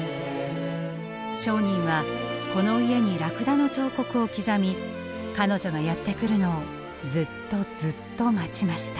商人はこの家にラクダの彫刻を刻み彼女がやって来るのをずっとずっと待ちました。